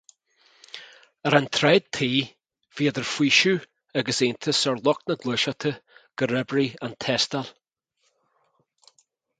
Ar an tsráid tigh, bhí idir faoiseamh agus iontas ar lucht na Gluaiseachta gur oibrigh an tástáil.